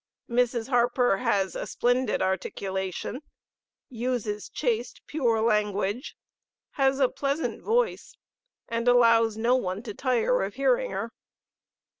Mrs. Harper has a splendid articulation, uses chaste, pure language, has a pleasant voice, and allows no one to tire of hearing her.